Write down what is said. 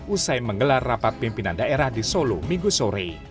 usai menggelar rapat pimpinan daerah di solo minggu sore